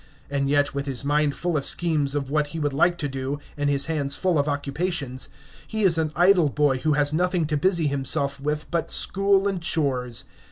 And yet, with his mind full of schemes of what he would like to do, and his hands full of occupations, he is an idle boy who has nothing to busy himself with but school and chores!